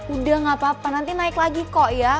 udah gapapa nanti naik lagi kok ya